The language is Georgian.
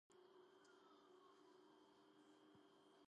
ამის შემდეგ იგი სამხრეთ-აღმოსავლეთით მიემართება.